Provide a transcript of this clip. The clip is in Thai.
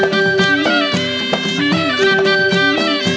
โปรดติดตามต่อไป